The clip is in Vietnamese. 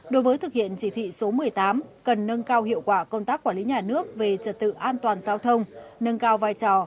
đối với thực hiện chỉ thị số một mươi tám cần nâng cao hiệu quả công tác quản lý nhà nước về trật tự an toàn giao thông nâng cao vai trò